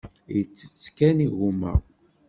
Ittett kan igumma.